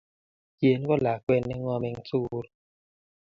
Jane ko lakwet ne ngom en sukul